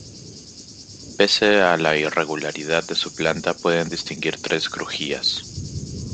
Pese a la irregularidad de su planta pueden distinguir tres crujías.